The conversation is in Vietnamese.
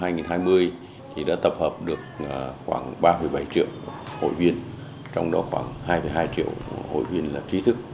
năm hai nghìn hai mươi thì đã tập hợp được khoảng ba bảy triệu hội viên trong đó khoảng hai hai triệu hội viên là trí thức